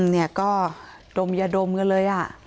เนี่ยก็ดมยาดมกันเลย